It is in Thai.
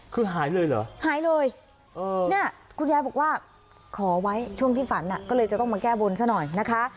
คือหายเลยเหรอหายเลยเนี่ยคุณยายบอกว่าขอไว้ช่วงที่ฝันก็เลยจะต้องมาแก้บนซะหน่อยนะคะ